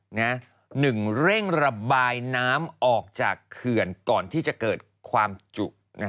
หนึ่งเร่งระบายน้ำออกจากเขื่อนก่อนที่จะเกิดความจุ